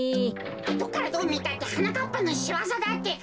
どっからどうみたってはなかっぱのしわざだってか。